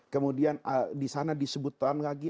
kemudian disana disebutkan lagi